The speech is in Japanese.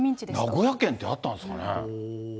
名古屋県ってあったんですかね。